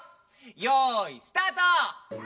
よいスタート！